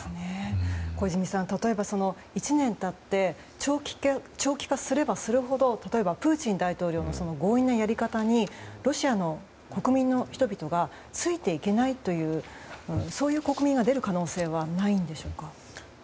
小泉さん、例えば１年経って長期化すればするほど例えばプーチン大統領のその強引なやり方にロシアの国民の人々がついていけないそういう国民が出る可能性はないんでしょうか？